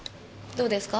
どうですか？